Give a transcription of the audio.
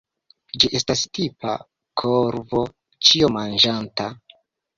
Ĝi estas tipa korvo ĉiomanĝanta.